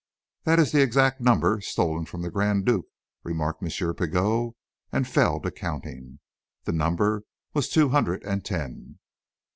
"That is the exact number stolen from the Grand Duke," remarked M. Pigot, and fell to counting. The number was two hundred and ten.